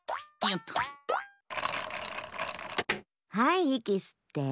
いいきすって。